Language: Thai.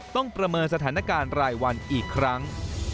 ประเมินสถานการณ์รายวันอีกครั้ง